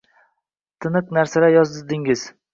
tiniq narsalar yozdingiz.